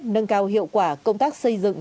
nâng cao hiệu quả công tác xây dựng